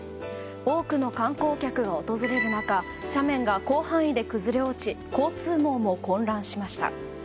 多くの観光客が訪れる中斜面が広範囲で崩れ落ち交通網も混乱しました。